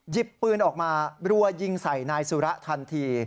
หยิบปืนออกมารัวยิงใส่นายสุระทันที